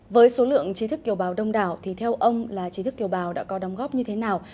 với số lượng trí thức kiều bào đông đảo thì theo ông là trí thức kiều bào đã có đóng góp như thế nào